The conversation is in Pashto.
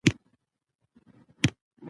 ماشومانو ته مينه او پاملرنه ضروري ده.